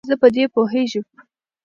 زه په دې پوهیږم.